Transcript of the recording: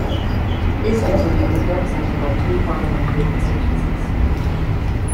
Islington is represented by two parliamentary constituencies.